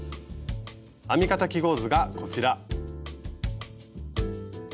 編み方記号図がこちら。